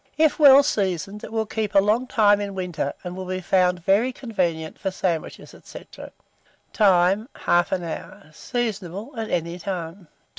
If well seasoned, it will keep a long time in winter, and will be found very convenient for sandwiches, &c. Time. 1/2 hour. Seasonable at any time.